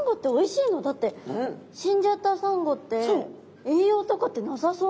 だって死んじゃったサンゴって栄養とかってなさそうなんですけど。